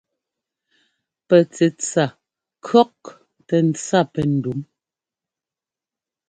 Pɛ tsɛtsa kʉ̈ktɛ́ ntsa pɛ́ ndǔm.